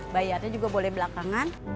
bayarnya juga boleh belakangan